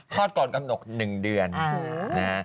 คลอดก่อนกำหนก๑เดือนนะ